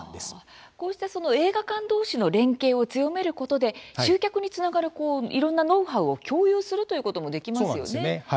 こうした映画館同士の連携を強めることで集客につながる、いろんなノウハウを共有するということもそうなんですよね。